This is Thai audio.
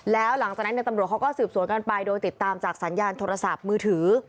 แล้วหลังจากนั้นตำรวจเขาก็สืบสวนกันไปโดยติดตามจากสัญญาณโทรศัพท์มือถือ